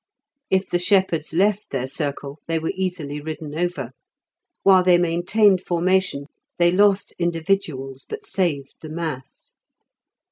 If the shepherds left their circle they were easily ridden over; while they maintained formation they lost individuals, but saved the mass.